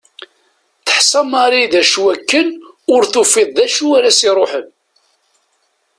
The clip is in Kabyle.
Teḥsa Mary d akken ur tufiḍ d acu ara s-iruḥen.